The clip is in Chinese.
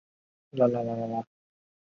也有人认为他有客家血统。